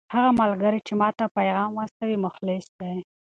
هغه ملګری چې ما ته یې پیغام واستاوه مخلص دی.